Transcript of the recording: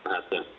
atau yang menarik